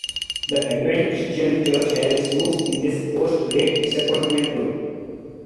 The Advent Christian Church has its roots in this post-Great Disappointment group.